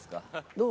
どう？